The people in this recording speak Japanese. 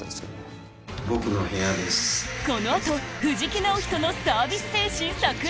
この後藤木直人のサービス精神炸裂！